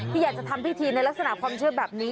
ที่อยากจะทำพิธีในลักษณะความเชื่อแบบนี้